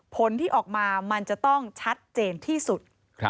ผลที่ออกมามันจะต้องชัดเจนที่สุด